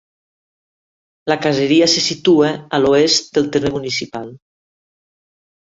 La caseria se situa a l'oest del terme municipal.